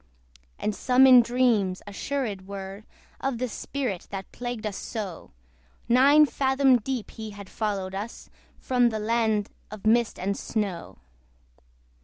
And some in dreams assured were Of the spirit that plagued us so: Nine fathom deep he had followed us From the land of mist and snow.